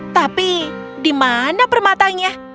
tapi di mana permatanya